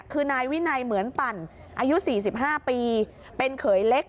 คือนายวินัยเหมือนปั่นอายุ๔๕ปีเป็นเขยเล็ก